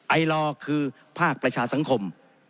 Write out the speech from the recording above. ไอลอคือภาคประชาสังคม